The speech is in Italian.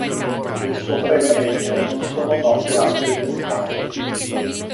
Del suo breve regno non sono noti altri dettagli.